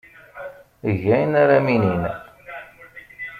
Eg ayen ara am-inin.